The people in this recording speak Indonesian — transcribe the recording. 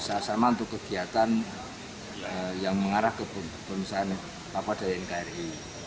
asrama untuk kegiatan yang mengarah ke pemasangan papua dari nkri